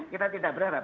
kita tidak berharap